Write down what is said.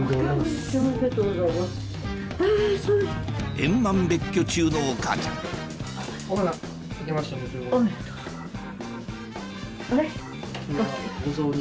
円満別居中のお母ちゃんあれ？